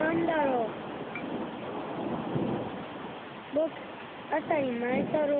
ぼくあたりまえたろう。